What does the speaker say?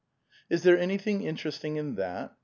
"Is there anything interesting in that?